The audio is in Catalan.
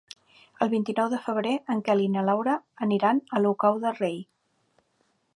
El vint-i-nou de febrer en Quel i na Laura aniran a Olocau del Rei.